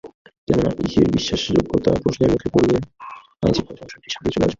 কেননা, ইসির বিশ্বাসযোগ্যতা প্রশ্নের মুখে পড়লে আইনশৃঙ্খলার সমস্যাটি সামনে চলে আসবে।